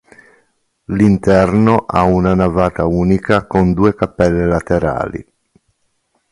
L'interno ha una navata unica con due cappelle laterali.